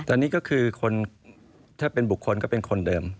ตอนนี้ก็คือคนถ้าเป็นบุคคลก็เป็นคนเดิม